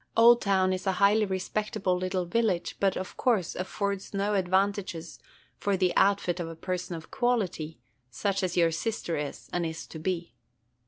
Oldtown is a highly respectable little village, but, of course, affords no advantages for the outfit of a person of quality, such as your sister is and is to be.